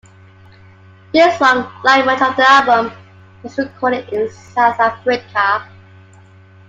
This song, like much of the album, was recorded in South Africa.